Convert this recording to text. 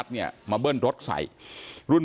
ผมมีโพสต์นึงครับว่า